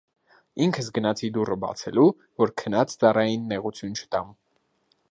Ինքս գնացի դուռը բանալու, որ քնած ծառային նեղություն չտամ: